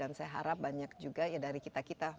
dan saya harap banyak juga dari kita kita